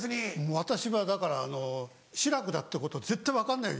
私はだから志らくだってこと絶対分かんないように行きます。